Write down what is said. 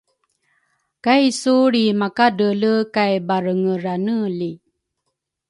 kaisu lrimakadreele kay barengeraneli.